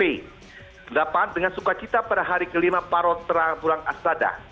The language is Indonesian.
delapan dengan sukacita pada hari kelima paro terang bulan aslada